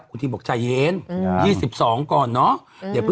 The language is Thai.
คุณทีมบอกใจเย็น๒๒ก่อนเนาะ